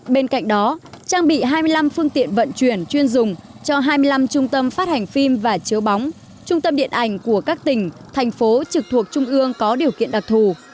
bên cạnh đó trang bị hai mươi năm phương tiện vận chuyển chuyên dùng cho hai mươi năm trung tâm phát hành phim và chiếu bóng trung tâm điện ảnh của các tỉnh thành phố trực thuộc trung ương có điều kiện đặc thù